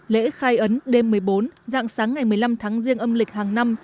lễ khai ấn đêm một mươi bốn dạng sáng ngày một mươi năm tháng riêng âm lịch hàng năm